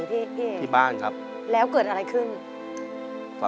เปลี่ยนเพลงเพลงเก่งของคุณและข้ามผิดได้๑คำ